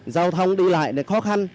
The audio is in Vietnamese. giao thông đi lại khó khăn